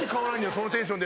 そのテンションで！」